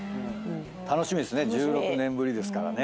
楽しみですね１６年ぶりですからね。